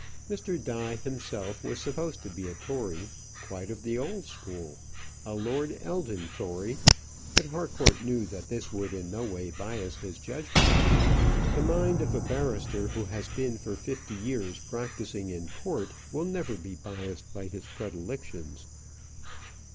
Mr. Die himself was supposed to be a Tory, quite of the old school, a Lord Eldon Tory; but Harcourt knew that this would in no way bias his judgment. The mind of a barrister who has been for fifty years practising in court will never be biassed by his predilections.